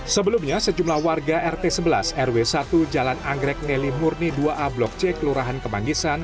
sebelumnya sejumlah warga rt sebelas rw satu jalan anggrek neli murni dua a blok c kelurahan kemanggisan